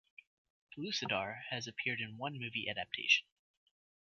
Pellucidar has appeared in one movie adaptation.